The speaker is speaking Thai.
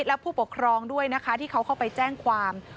และผู้ปกครองด้วยนะคะที่เขาเข้าไปแจ้งความ